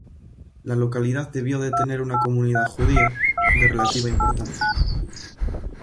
La localidad debió de tener una comunidad judía de relativa importancia.